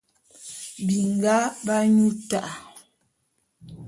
Binga b'anyu ta'a.